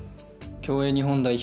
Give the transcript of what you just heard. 競泳日本代表